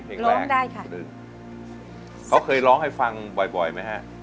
ร้องได้ค่ะเขาเคยร้องให้ฟังบ่อยบ่อยไหมฮะ